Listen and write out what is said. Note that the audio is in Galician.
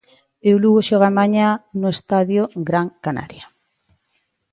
E o Lugo xoga mañá no Estadio Gran Canaria.